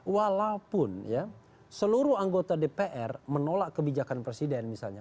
walaupun ya seluruh anggota dpr menolak kebijakan presiden misalnya